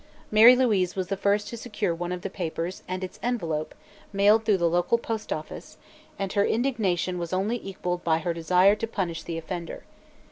Mary Louise was the first to secure one of the papers and its envelope, mailed through the local post office, and her indignation was only equalled by her desire to punish the offender.